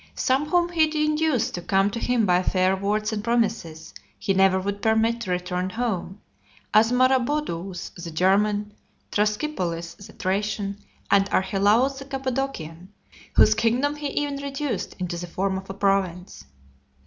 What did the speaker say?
Some whom he induced to come to him by fair words and promises, he never would permit to return home; as Maraboduus the German, Thrascypolis the (217) Thracian, and Archelaus the Cappadocian, whose kingdom he even reduced into the form of a province.